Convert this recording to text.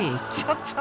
ちょっと。